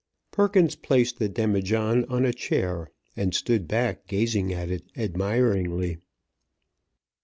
Perkins placed the demijohn on a chair, and stood back gazing at it admiringly.